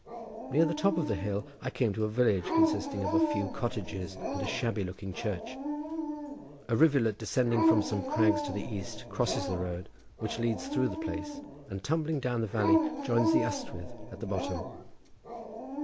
Near the top of the hill I came to a village consisting of a few cottages and a shabby looking church. A rivulet descending from some crags to the east crosses the road, which leads through the place, and tumbling down the valley, joins the Ystwyth at the bottom.